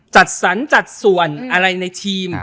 จัดสรรจัดส่วนอะไรในทีม